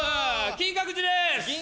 銀閣寺です。